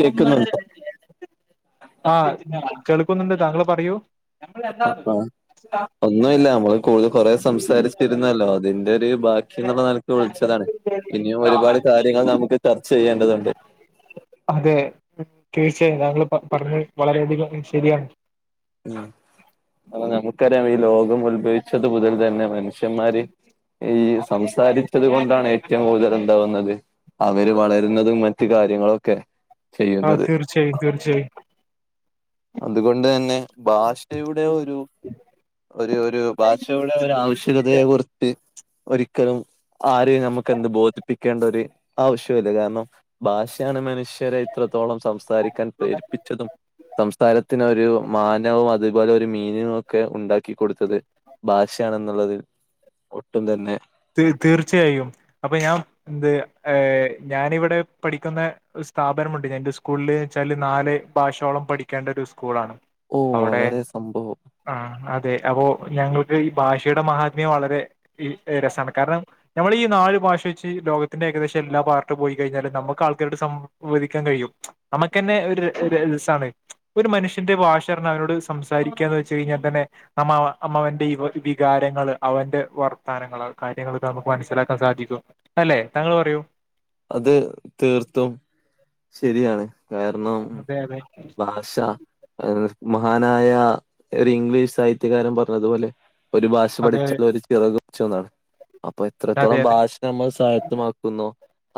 കേക്കുന്നുണ്ടോ ആഹ കേൾക്കുന്നുണ്ട് താങ്കൾ പറയൂ ഒന്നും ഇല്ല നമ്മള് കൂടുതൽ കുറേ സംസാരിച്ചിരുന്നല്ലോ അതിന്റെ ഒരു ഭാ ക്കി എന്നുള്ള നിലക്ക് വിളിച്ചതാണ് ഇനിയും ഒരുപാട് കാര്യങ്ങൾ നമുക്ക് ചർച്ച ചെയ്യേണ്ടതുണ്ട് അതെ തീർച്ചയായും താങ്കൾ പറഞ്ഞത് വളരെയധികം ശരിയാണ്. ഉം അപ്പൊ നമുക്കറിയാം ഈ ലോകം ഉത്ഭവിച്ചത് മുതൽ തന്നെ മനുഷ്യന്മാര് ഈ സംസാരിച്ചത് കൊണ്ടാണ് ഏറ്റവും കൂടുതൽ എന്താവുന്നത് അവര് വളരുന്നതും മറ്റ് കാര്യങ്ങളൊക്കെ ആഹ് ചെയ്യുന്നത് തീർച്ചയായും തീർച്ചയായും അതുകൊണ്ട് തന്നെ ഭാഷയുടെ ഒരു ഒരു ഒരു ഭാഷയുടെ ഒരു ആവശ്യകതയെ കുർത്ത് ഒരിക്കലും ആരെയും നമ്മുക്ക് എന്ത് ബോധിപ്പിക്കേണ്ട ഒരു ആവശ്യോല്ല കാരണം ഭാഷയാണ് മനുഷ്യരെ ഇത്രത്തോളം സംസാരിക്കാൻ പ്രേരിപ്പിച്ചതും സംസാരത്തിന് ഒരു മാനവും അതുപോലെ ഒരു മീനിംങ്ങും ഒക്കെ ഉണ്ടാക്കി കൊട്ത്തത്. ഭാഷയാണെന്ന്ള്ളതിൽ ഒട്ടും തന്നെ ത് തീർച്ചയായും അപ്പൊ ഞാൻ എന്ത് ഞാനിവിടെ പഠിക്കുന്നെ സ്ഥാപനമുണ്ട്. ഞാ ന്റെ സ്കൂളിൽ ച്ചാല് നാല് ഭാഷയോളം പഠിക്കേണ്ട ഒരു സ്കൂളാണ്. ഓഹ് അവിടെ വളരെ സംഭവം ആഹ് അതെ അപ്പോ ഞങ്ങൾക്ക് ഈ ഭാഷയുടെ മഹാത്മ്യം വളരെ രസാണ് കാരണം നമ്മള് ഈ നാല് ഭാഷ വെച്ച് ലോകത്തിന്റെ ഏകദേശ എല്ലാ പാർട്ട്‌ പോയി കഴിഞ്ഞാലും നമുക്ക് ആൾക്കാരോട് സം വദിക്കാൻ കഴിയും. നമുക്ക്ന്നെ ഒരു ഒര് രസാണ്. ഒരു മനുഷ്യന്റെ ഭാഷാർഞ്ഞ അവനോട് സംസാരിക്കാന്ന് വെച്ച് കയിഞ്ഞാ തന്നെ നമ്മ അവ അമ്മ അവന്റെ വികാരങ്ങള് അവന്റെ വർ ത്താനങ്ങള്, കാര്യങ്ങളൊക്കെ നമുക്ക് മനസ്സിലാക്കാൻ സാധിക്കും. അല്ലെ താങ്കൾ പറയൂ അത് തീർത്തും ശരിയാണ്. കാര്ണം അതെതേ ഭാഷ മഹാനായ ഒരു ഇംഗ്ലീഷ് സാഹിത്യകാരൻ പറഞ്ഞതുപോലെ ഒരു ഭാഷ അതെ പഠിച്ചാലും ഒരു ചിറക് വെച്ചൂന്നാണ് അപ്പൊ അതെ അതെ എത്രത്തോളം ഭാഷ നമ്മൾ സാഹിത്യമാക്കുന്നോ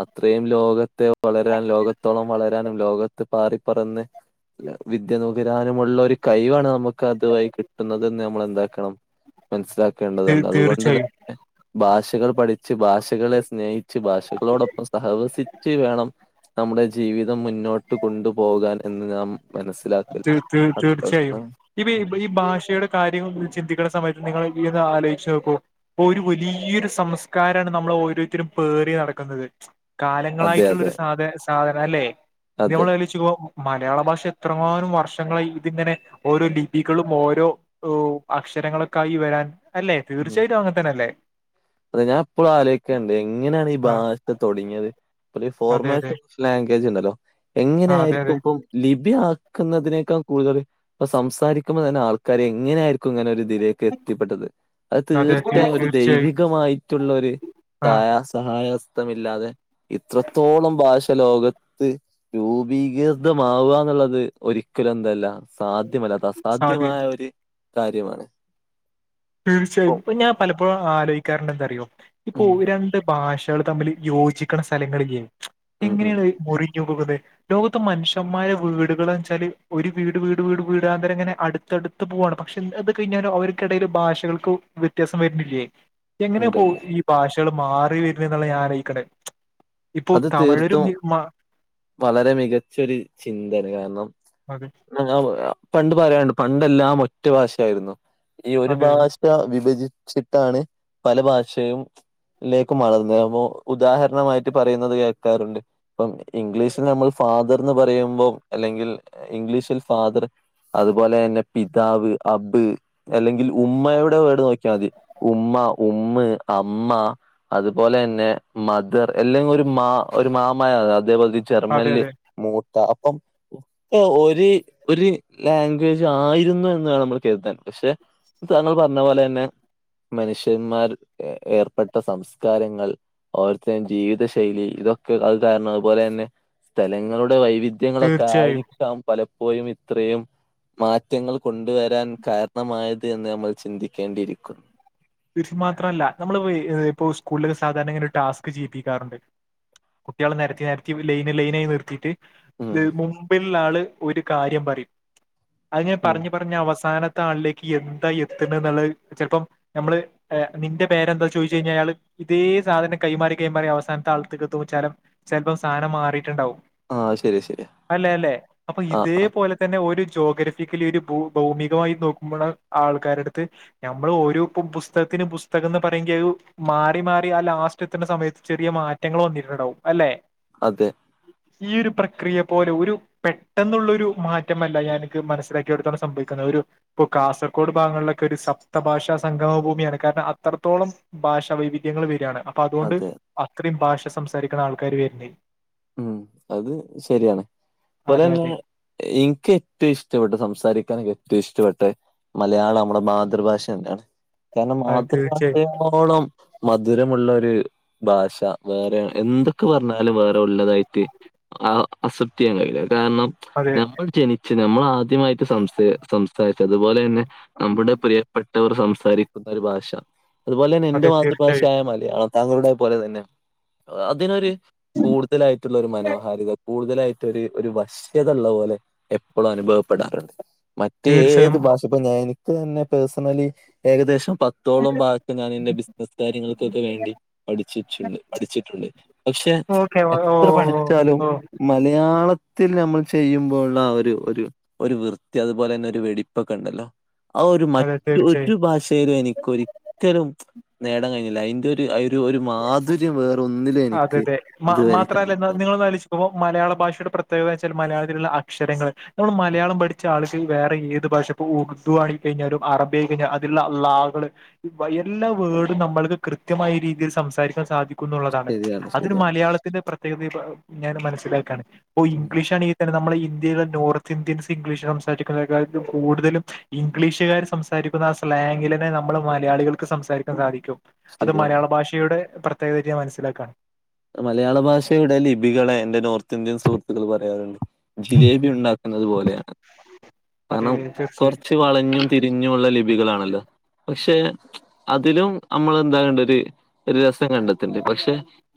അത്രയും ലോകത്തെ വളരാൻ ലോകത്തോളം വളരാനും ലോകത്ത് പാറിപ്പറന്ന് വിദ്യ നുകരാനുമുള്ള ഒരു കയ്വാണ് നമുക്ക് അതു വഴി കിട്ടുന്നതെന്ന് നമ്മളെന്താക്കണം അതെ മൻസ്സിലാക്കേണ്ടതുണ്ട് അതുകൊണ്ട് തീർച്ചയായും തന്നെ ഭാഷകൾ പഠിച്ച് ഭാഷകളെ സ്നേഹിച്ച് ഭാഷകളോടൊപ്പം സഹവസിച്ച് വേണം നമ്മുടെ ജീവിതം മുന്നോട്ട് കൊണ്ടു പോകാൻ എന്ന് നാം മനസ്സിലാക്കൽ തീ തീ തീർച്ചായും അത്യാവശ്യം ഇ ഈ ഭാഷയുടെ കാര്യങ്ങൾ ഫുൾ ചിന്തിക്ക്ണ സമയത്ത് നിങ്ങൾ ഈ ഒന്ന് ആലോയ്ച്ചോക്കു. ഒരു വലിയൊരു സംസ്കാരാണ് നമ്മള് ഓരോരുത്തരും പേറി നടക്കുന്നത്. അതെ കാലങ്ങളായിട്ടുള്ള അതെ ഒരു സാധ സാധന അല്ലെ. ഇനി അതെ നമ്മള് ആലോയ്ച്ചോക്കുമ്പോ മലയാള ഭാഷ എത്ര ങ്ങാനും വർഷങ്ങളായി ഇതിങ്ങനെ ഓരോ ലിപികളും ഓരോ ഓഹ് അക്ഷരങ്ങളൊക്കെ ആയി വരാൻ അല്ലെ ഉം തീർച്ചയായിട്ടും അങ്ങൻ തന്നെ അല്ലേ അതെ ഞാൻ എപ്പളും ആലോയ്ക്കേണ്ട് എങ്ങനേണ് ഈ ആ ഭാഷ തൊട്ങ്ങിയത്? ഒരു അതെ അതെ ഫോർമാറ്റ് ലാംഗ്വേജ് ഇണ്ടല്ലോ എങ്ങനെ ആ അതെ ആയിരിക്കും അതെ ഇപ്പ ലിഭി ആക്കുന്നതിനേക്കാൾ കൂടുതല് ഇപ്പ സംസാരിക്കുമ്പോ തന്നെ ആൾക്കാര് എങ്ങനൊയിരിക്കും ഇങ്ങനെ ഒര് ഇതിലേക്ക് എത്തിപ്പെട്ടത് അത് അതെ തീർച്ചയായും ഒരു തീർച്ചയായും ദൈവികമായിട്ടുള്ള ഒരു ആ കാ സഹായസ്ഥമില്ലാതെ ഇത്രത്തോളം ഭാഷ ലോകത്ത് രൂപീകൃതമാവ എന്നുള്ളത് ഒരിക്കലും എന്തല്ല സാധ്യമല്ല. അ അതെ സാധ്യമായ ഒരു കാര്യമാണ്. തീർച്ചയായും ഉം ഇപ്പൊ ഞാൻ പലപ്പോഴും ആലോയ്ക്കാറുണ്ട് എന്തറിയോ ഇപ്പോ രണ്ട് ഭാഷകള് തമ്മില് യോജിക്കണ സലങ്ങളില്ലേ. ഉം ഉം എങ്ങനെയാണ് അത് മുറിഞ്ഞു പോകുന്നെ ലോകത്ത് മനുഷന്മാരെ വീടുകള് ന്ന് വെച്ചാല് ഒരു വീട് വീട് വീട് വീടാന്തരം ഇങ്ങനെ അടു ത്തടുത്ത് പോവാണ് പക്ഷെ അത് കഴിഞ്ഞാലും അവർക്കിടയിലും ഭാഷകൾക്ക് വ്യത്യാസം വര്ന്നില്ലേ എങ്ങനെ ഉണ്ട് പോ ഉണ്ട് ഈ ഭാഷകള് മാറി വര്ന്നെ എന്നുള്ള ഞാൻ ആലോയ്ക്ക്ണെ അത് തീർത്തും വളരെ മികച്ചൊരു ചിന്താണ് കാര്ണം അതെ പണ്ട് പറയാനുണ്ട് പണ്ടെല്ലാം ഒറ്റ ഭാഷായിരുന്നു. ഈ ഒരു അതെ അതെ ഭാഷ ഷ, വിഭജിച്ചിട്ടാണ് പല ഭാഷയും ലേക്ക് മളന്നെ. അപ്പോ ഉദാഹരണമായി പറയുന്നത് കേൾക്കാറുണ്ട് ഇപ്പം ഇംഗ്ലീഷിൽ നമ്മൾ ഫാദർന്ന് പറയുമ്പോം അല്ലെങ്കിൽ. ഇംഗ്ലീഷിൽ ഫാദർ അതുപോലെ തന്നെ പിതാവ്, അബ് അല്ലെങ്കിൽ ഉമ്മയുടെ വേട് നോക്കിയാ മതി ഉമ്മ. ഉമ്മ്, അമ്മ അതുപോലെ തന്നെ മദർ. അല്ലെങ്ക ഒരു മാ ഒരു മാമയ അതേപോലെഈ അതെ ജെർമ്മെല്ല് അതെ മൂത്ത അപ്പം ആ, ഒര്, ഒര് ലാംഗ്വേജ് ആയിരുന്നു എന്ന് വേണം നമ്മള് കരുതാൻ. പക്ഷെ താങ്കൾ പറഞ്ഞ പോലെ തന്നെ. മനുഷ്യന്മാർ ഏർപ്പെട്ട സംസ്കാരങ്ങൾ ഓർത്തെ ജീവിത ശൈലി ഇതൊക്കെ അത് കാരണം അതുപോലെ തന്നെ സ്ഥലങ്ങളുടെ വൈവിധ്യങ്ങളക്കെ ആയി തീർച്ചയായും ക്കാം പലപ്പോഴും ഇത്രയും മാറ്റങ്ങൾ കൊണ്ടുവരാൻ കാരണമായത് എന്ന് നമ്മൾ ചിന്തിക്കേണ്ടിയിരിക്കുന്നു. തീർച്ച മാത്രല്ല നമ്മള് ഇപ്പോ സ്കൂളിലെ സാധാരണ ഇങ്ങനെ ഒരു ടാസ്ക് ചെയ്യിപ്പിക്കാറുണ്ട്. കുട്ട്യോള നെരത്തി, നെരത്തി ലൈന്, ലൈനായി നിർത്തിയിട്ട് ത് ഉം മുമ്പിള്ള ആള് ഒരു കാര്യം പറയും അത് ഞാ ഉം പറഞ്ഞ്, പറഞ്ഞ് അവസാന ത്ത ആളിലേക്ക് എന്താ എത്ത്ണെന്നുള്ളത് ചിലപ്പോം നമ്മള് നിന്റെ പേരെന്താ ചോയിച്ചു കഴിഞ്ഞാ അയാള് ഇതേ സാധനം കൈമാറി, കൈമാറി അവസാനത്തെ ആള്ത്തേക്ക് എത്തുമ്പോ വിച്ചാലും ചെലപ്പം സാനം മാറീട്ടുണ്ടാവും. ആ ശരി ശരി അല്ലെ, അല്ലെ അപ്പൊ ആ ആ ഇതേപോല തന്നെ ഒരു ജോഗ്രഫിക്കലി ഒരുഭൂ, ഭൗമികമായി നോക്കുമ്പോള്ള ആൾക്കാരടുത്ത് ഞമ്മള് ഒരു പു പുസ്തകത്തിന്, പുസ്തകംന്ന് പറയെങ്ക ഒ മാറി, മാറി ആ ലാസ്റ്റ് എത്തണ സമയത്ത് ചെറിയ മാറ്റങ്ങൾ വന്നിരുട്ടുണ്ടാവും അല്ലെ? അതെ. ഈ ഒരു പ്രക്രിയ പോലെ ഒരു പെട്ടെന്നുള്ളൊരു മാറ്റമല്ല ഞാൻക്ക് മനസ്സിലാക്കിയെടുത്താണ് സംഭവിക്കുന്നത് ഒരു ഇപ്പൊ കാസർകോട് ഭാഗങ്ങളിലൊക്കെ ഒരു സപ്തഭാഷ സംഗമ ഭൂമിയാണ്. കാരണം അത്രത്തോളം ഭാഷ വൈവിധ്യങ്ങള് വര്ആണ് അപ്പൊ അതുകൊണ്ട് അതെ അത്രയും ഭാഷ സംസാരിക്കണ ആൾക്കാര് വെര്ണെ. ഉം അത് ശെരിയാണ്. അതെ പോലെന്നെ അതെ ഇനിക്കേറ്റോം ഇഷ്ടപ്പെട്ട സംസാരിക്കാനൊക്കെ ഏറ്റോം ഇഷ്ടപ്പെട്ടെ മലയാളം നമ്മള മാതൃഭാഷ തന്നാണ്. കാരണം അതെ തീർച്ചയായും മാതൃഭാഷയോളം മധുരമുള്ളൊരു ഭാഷ വേറെ എന്തൊക്കെ വറഞ്ഞാലും വേറെ ഉള്ളതായിട്ട് ആ അസപ്റ്റിയാൻ കഴിയൂല. കാരണം അതെ ഞമ്മൾ ജനിച്ച്. ഞമ്മൾ ആദ്യമായിട്ട് സംസ, സംസാരിച്ചതുപോലെ തന്നെ നമ്മുടെ പ്രിയപ്പെട്ടവർ സംസാരിക്കുന്ന ഒരു ഭാഷ അതുപോലെ ന്നെ എന്റെ അതെ തീർച്ചയായും മാതൃഭാഷയായ മലയാളം. താങ്കളുടെ പോലെ തന്നെ അതിനൊരു കൂടുതലായിട്ടുള്ളൊരു മനോഹാരിത കൂടുതലായി ട്ടൊരു, ഒരു വശ്യത ള്ള പോലെ എപ്പളും അനുഭവപ്പെടാറുണ്ട്. മറ്റേത് തീർച്ചയായും ഭാഷ പ്പ ഞാന് എനിക്കന്നെ പേഴ്സണലി ഏകദേശം പ ത്തോളം ഭാഗത്ത് ഞാന് ന്റെ ബിസിനസ്സ് കാര്യങ്ങൾക്കൊക്കെ വേണ്ടി പഠിച്ചിച്ചുണ്ട് പഠിച്ചിട്ടുണ്ട്. പക്ഷെ ഓക്കെ ഓ ഓ എത്രപടി ച്ചാലും ഓ മലയാളത്തിൽ ഞമ്മൾ ചെയ്യുമ്പോള്ള ആ ഒരു, ഒരു ഒരു വൃത്തി അതുപോലെന്നെ ഒരു വെടിപ്പൊക്കെണ്ടല്ലോ. ആ ഒരു അതെ മറ്റു ഒരു തീർച്ചയായും ഭാഷയിലും എനിക്ക് ഒരിക്കലും നേടാൻ കഴിഞ്ഞില്ല. അയിന്റൊരു രു, ഒരു മാധുര്യം വേറൊന്നിലു അതെ എനിക്ക് അതെ മാ ഇതുവരെ മാത്രല്ല നി കണ്ടില്ല നിങ്ങളൊന്ന് ആലോയിച്ചു മ്പോ മലയാള ഭാഷയുടെ പ്രത്യേകത ച്ചാൽ മലയാളത്തിലുള്ള അക്ഷരങ്ങള് നമ്മള് മലയാളം പഠിച്ച ആള്ക്ക് വേറെ ഏത് ഭാഷ പ്പോ ഉർുദു ആയി കയിഞ്ഞാലും അറബി ആയി കെയ്ഞ്ഞാ അതിലുള്ള ള്ളാ കള് വ എല്ലാ വേഡും നമ്മൾക്ക് കൃത്യമായി രീതിയിൽ സംസാരിക്കാൻ സാധിക്കും ന്ന്ള്ളതാണ്. ശരിയാണ് അതിന് ശരിയാണ് മലയാളത്തിന്റെ പ്രത്യേകത ഇപ്പൊ ഞാന് മനസ്സിലാക്കാണ് ഇപ്പോ ഉം. ഇംഗ്ലീഷാണ് ണെ ഞമ്മള ഇന്ത്യയിലെ നോറത്തിന്ത്യൻസ് ഇംഗ്ലീഷ് സംസാരിക്കുന്നേകാത്തിലും കൂടുതലും ഇംഗ്ലീഷുകാര് സംസാരിക്കുന്ന ആ സ്ലാംഗിലന്നെ നമ്മള് മലയാളികൾക്ക് സംസാരിക്കാൻ സാധിക്കും അത് ശരിയാണ് മലയാള ഭാഷയുടെ പ്രത്യേകര്യ മനസ്സിലാക്കാണ് മലയാള ഭാഷയുടെ ലിപികളെ എന്റെ നോർത്തിന്ത്യൻ സുഹൃത്തുക്കൾ പറയാറുണ്ട് ജിലേബി ഉണ്ടാ കുന്നത്പോലെയാണ് അതെ കാരണം അതെ തീർച്ചയായും കൊറച്ച് വളഞ്ഞും തിരിഞ്ഞും ള്ള ലിപികളാണല്ലോ പക്ഷെ അതിലും അമ്മള എന്താകണ്ട ഒരു രസം കണ്ടെത്തിണ്ട് പക്ഷെ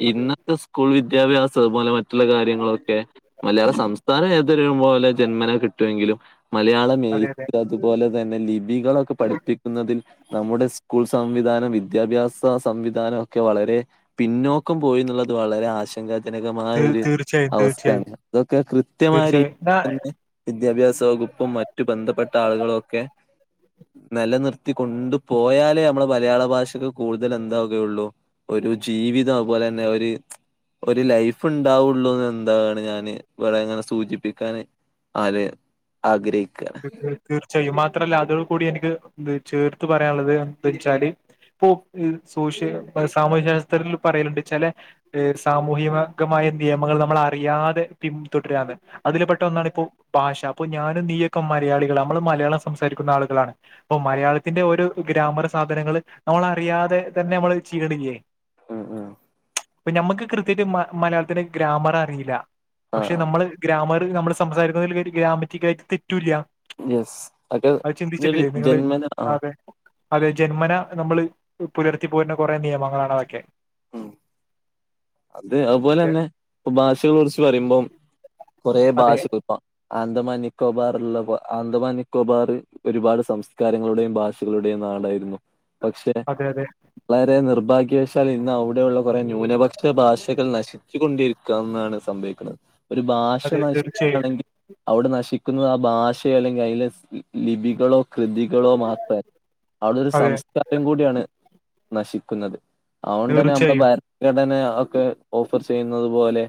അതെ ഇന്നത്തെ സ്കൂൾ വിദ്യാഭ്യാസംപലെ മറ്റ റ്റ്ള്ള കാര്യങ്ങളൊക്കെ മലയാള സംസ്ഥാനം ഏതൊരു പോലെ ജന്മന കിട്ടുമെങ്കിലും മലയാള മേ അതെ അതെ അതുപോലെ തന്നെ ലിപികളൊക്കെ പഠിപ്പിക്കുന്നതിൽ നമ്മുടെ സ് സ്കൂൾ സംവിധാനം വിദ്യാഭ്യാസ സംവിധാനം ഒക്കെ വളരെ പിന്നോ ക്കം പോയിന്നുള്ളത് വളരെ ആശ ശങ്കാജനകമായ തീ- ഒര് തീർച്ചയായും തീർച്ചയായും അവസ്ഥയാണ് അതൊക്കെ കൃത്യമായ രീതിൽ തീർച്ചയായും എന്നാ, തന്നെ വിദ്യാഭ്യാസ വകുപ്പും മറ്റു ബന്ധപ്പെട്ട ആളുകളൊക്കെ നിലനിർത്തി കൊണ്ടു പോയാലേ നമ്മള മലയാള ഭാഷക്ക് കൂടുതൽ എന്താവുകയുള്ളൂ ഒരു ജീവിതം അത്പോലെന്നെ ഒരു ഒരു ലൈഫ്ണ്ടാവുള്ളൂന്ന് എന്താണ് ഞാന് ഇവിടെ എങ്ങനെ സൂചിപ്പിക്കാന് ആര് ആഗ്രഹിക്ക തീ തീർച്ചയായും മാത്രല്ല അതോട് കൂടി എനിക്ക് ചേർത്ത് പറയാനുള്ളത് എന്ത വെച്ചാല് ഇപ്പോ ഹ് സോഷ്യ സാമൂഹ്യ വ്യവസ്ഥയിൽ പറയലുണ്ട് ചെല സാമൂഹിമകമായ നിയമങ്ങള് നമ്മൾ അറിയാതെ പിന്തുടരാണ് അതില് പെട്ട ഒന്നാണ് ഇപ്പോ ഭാഷ അപ്പൊ ഞാനും നീയൊക്കെ മലയാളികള നമ്മള് മലയാളം സംസാരിക്കുന്ന ആളുകളാണ് ഓ മലയാളത്തിന്റെ ഒരു ഗ്രാമർ സാധനങ്ങള് നമ്മളറിയാതെ തന്നെ നമ്മള് ചിയ്യണില്ലേ ഉം ഉം പ്പ ഞമ്മക്ക് കൃത്യയിട്ട് മ മലയാളത്തിന് ഗ്രാമർ അറിയില്ല ആ പക്ഷെ നമ്മള് ഗ്രാമറ് നമ്മള് സംസാരിക്കുന്നതില് ഗ്രാമറ്റിക്കായിട്ട് തെറ്റൂല്ല യെസ് അക്കെ അത് ഒരു ചിന്തിച്ചിട്ടില്ലേ നിങ്ങള് ജന്മന ആ ആതെ അതെ ജന്മന നമ്മള് പുലർത്തി പോരേണ്ട കുറെ നിയമങ്ങളാണ് അതൊക്കെ മ് അത് അതുപോലെ പക്ഷെ തന്നെ ഇപ്പ ഭാഷകൾ കുറിച്ച് പറയുമ്പോം കൊറെ അതെ ഭാഷകൾ ഇപ്പ അന്ദമാൻ നിക്കോബാർലുള്ള അന്ദമാൻ നിക്കോബാറ് ഒരുപാട് സംസ്കാരങ്ങളുടെയും ഭാഷകളുടെയും നാടായിരുന്നു പക്ഷെ അതെ അതെ വളരെ നിർഭാഗ്യവശാൽ ഇന്ന് അവിടെയുള്ള കൊറെ ന്യൂനപക്ഷ ക്ഷെ ഭാഷകൾ നശിച്ചു കൊണ്ടിരിക്കന്നാണ് സംഭവിക്കുണത് ഒരു ഭാഷ അതെ തീർച്ചയായും നശിക്കയാണെങ്കിൽ അവിടെ നശിക്കുന്നത് ആ ഭാഷയോ അല്ലെങ്കില് അതിലെ ലിപികളോ കൃതികളോ മാത്രായി അവിടെ ഒരു അതെ സംസ്കാരം കൂടിയാണ് നശിക്കുന്നത് അതൊണ്ട്ന്നെ നമ്മട തീർച്ചയായും ഭരണഘടനെയ അ ഒക്കെ ഓഫർ ചെയ്യുന്നത് പോലെ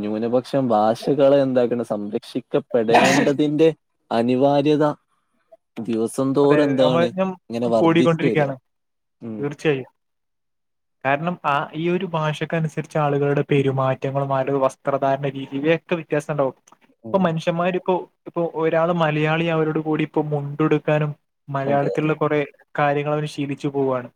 ന്യൂനപക്ഷം ഭാഷകളെ എന്താക്കണ് സംരക്ഷിക്ക പെടേണ്ടതിന്റെ അനിവാര്യത ദിവസ അതെ വംന്തോറ നമ്മ എന്താണ് ഞാൻ ഇങ്ങനെ വർദ്ധിച്ചു കൂടിക്കൊണ്ടിരിക്കുകയാണ് വരികയാണ് ഉം തീർച്ചയായും കാരണം ആ ഈ ഒരു ഭാഷക്ക അനുസരിച്ച് ആളുകളുടെ പെരുമാറ്റങ്ങളും ആവരുടെ വസ്ത്രധാരണ രീതിയെ ക്ക വ്യത്യാസം ഉണ്ടാവും ഇപ്പൊ ഉം മനുഷ്യന്മാരിപ്പോ ഇപ്പൊ ഒരാള് മലയാളി അവരോട് കൂടി ഇപ്പൊ മുണ്ടുടുക്കാനും അതെ അതെ മലയാളത്തിലുള്ള കൊറെ കാര്യങ്ങൾ അവര് ശീലിച്ചു പോവുവാണ്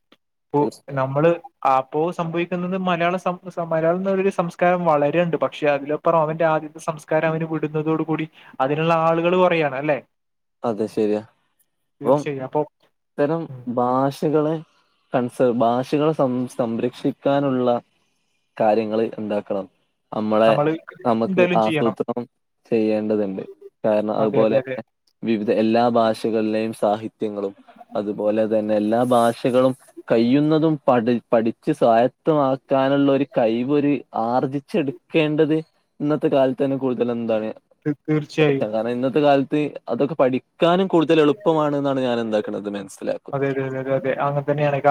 അപ്പൊ തീർച്ചയായും. നമ്മള് അപ്പോ സംഭവിക്കുന്നത് മലയാള സം സമ്പര് എന്നരു സംസ്കാരം വളരെ ഉണ്ട് പക്ഷെ അതിലൊ അപ്പറം അവന്റെ ആദ്യത്തെ സംസ്കാരം അവന് വിടുന്നതോടു കൂടി അതിനുള്ള ആളുകൾ കുറയാണ് അല്ലേ അതെ ശരിയാ അപ്പം തീർച്ചയായും അപ്പോ ഇത്തരം ഭാഷകളെ കൺസ് ഭാഷകളെ സം സംരക്ഷിക്കാനുള്ള കാര്യങ്ങള് ഉണ്ടാക്കണം നമ്മളെ നമ്മള് നമ്മക്ക് എന്തായാലും ചെയ്യണം ആസൂത്രണം ചെയ്യേണ്ടത്ണ്ട് കാരണം അതെ അതെ അതുപോലെ അതെ വിവിധ എല്ലാ ഭാഷകളിലെയും സാഹിത്യങ്ങളും അതുപോലെ തന്നെ എല്ലാ ഭാഷകളും കയ്യുന്നതും പഠ പഠിച്ച് സ്വായത്തമാക്കാനുള്ളൊരു കയ്വൊ ര് ആർജി ച്ചെടുക്കേണ്ടത് ഇന്നത്തെ കാലത്തെന്നെ കൂടുതലെന്താണ് [unintelligible] തീർച്ചയായും കാരണം ഇന്നത്തെ കാലത്ത് അതൊക്കെ പഠിക്കാനും കൂടുതൽ എളുപ്പമാണ് ന്നാണ് ഞാനെന്താക്ക്ണത് മനസ്സിലാ അതെ അതെ അതെ അ തന്നെണ് ക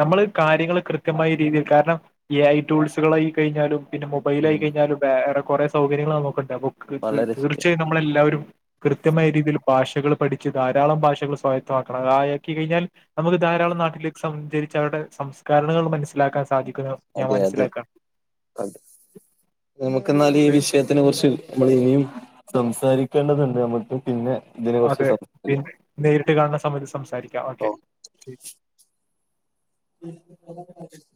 നമ്മള് കാര്യങ്ങള് കൃത്യമായ രീതിയിൽ കാരണം എ ഐ ടൂൾസുകളായി കയ്ഞ്ഞാലും പിന്നെ മൊബൈലായി ഉം കയ്ഞ്ഞാലും വേറെ കൊറെ സൗകര്യങ്ങള് നമുക്കുണ്ട് ത് ത് വളരെ ശരിയാ തീർച്ചയായും നമ്മളെല്ലാവരും കൃത്യമായ രീതില് ഭാഷകള് പഠിച്ച് ധാരാളം ഭാഷകൾ സ്വായത്തമാക്കണം അയെ ക്കി കയ്ഞ്ഞാൽ നമുക്ക് ധാരാളം നാട്ടിലേക്ക് സം സഞ്ചരിച്ചവരുടെ സംസ്കരണങ്ങൾ മനസ്സിലാക്കാൻ സാധിക്കുന്നു അതെ അതെ അ നമുക്ക്ന്നാലീ ഇത് വിഷയ ത്തിനെ കുറിച്ച് നമ്മളിനിയും സംസാരിക്കേണ്ടതുണ്ട് നമുക്ക് പിന്നെ ഇതിനെ കുറിച്ച് അതെ സംസാരിക്കാം പിന്നെ നേരിട്ട് കാണുന്ന സമയത്ത് സംസാരിക്കാ ഓക്കെ [inaudible]